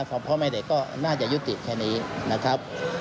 พ่อแม่เด็กก็น่าจะยุติแค่นี้นะครับ